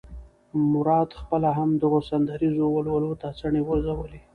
مراد خپله هم دغو سندریزو ولولو ته څڼې غورځولې.